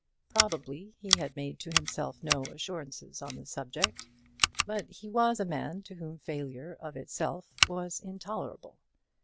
Probably he had made to himself no assurances on the subject. But he was a man to whom failure, of itself, was intolerable.